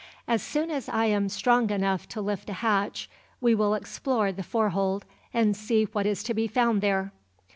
"As soon as I am strong enough to lift a hatch we will explore the fore hold, and see what is to be found there."